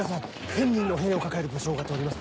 千人の兵を抱える武将が通ります。